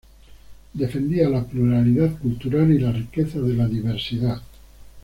Defendía la pluralidad cultural y la riqueza de la diversidad.